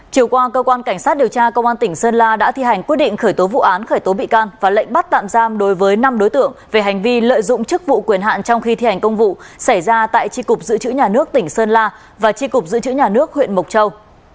chiều qua cơ quan cảnh sát điều tra công an tỉnh sơn la đã thi hành quyết định khởi tố vụ án khởi tố bị can và lệnh bắt tạm giam đối với năm đối tượng về hành vi lợi dụng chức vụ quyền hạn trong khi thi hành công vụ xảy ra tại tri cục dự trữ nhà nước tỉnh sơn la và tri cục giữ chữ nhà nước huyện mộc châu